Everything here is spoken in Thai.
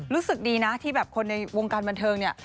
รู้สึกดีนะที่แบบคนในวงการบันเทิงเนี่ย